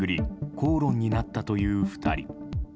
口論になったという２人。